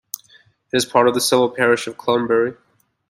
It is part of the civil parish of Clunbury.